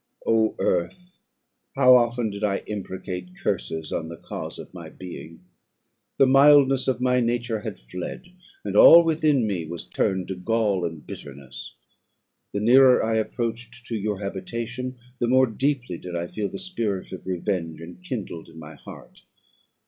Oh, earth! how often did I imprecate curses on the cause of my being! The mildness of my nature had fled, and all within me was turned to gall and bitterness. The nearer I approached to your habitation, the more deeply did I feel the spirit of revenge enkindled in my heart.